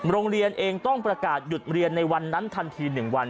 โรงเรียนเองต้องประกาศหยุดเรียนในวันนั้นทันที๑วัน